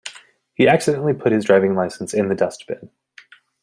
He accidentally put his driving licence in the dustbin